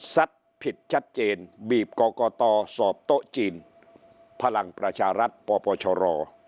ผิดชัดเจนบีบกตสอบโต๊ะจีนพลังประชารัฐปปชร